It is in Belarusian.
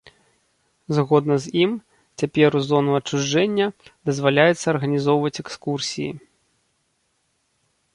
Згодна з ім, цяпер у зону адчужэння дазваляецца арганізоўваць экскурсіі.